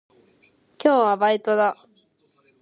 今日はバイトだ。